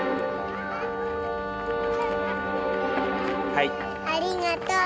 はい。ありがと。